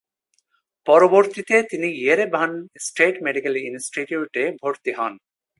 পরবর্তীতে তিনি Yerevan State Medical ইনস্টিটিউটে ভরতি হন।